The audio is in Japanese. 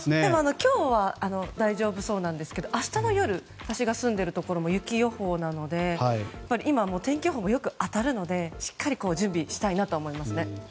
今日は大丈夫そうなんですけど明日の夜私が住んでいるところは雪予報なので今、天気予報もよく当たるのでしっかり準備したいなと思います。